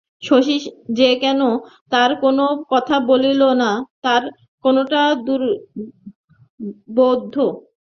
শশী যে কেন আর কোনো কথা বলিল না তার কারণটা দুর্বোধ্য।